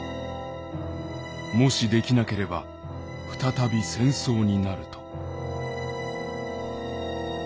もしできなければ再び戦争になると」。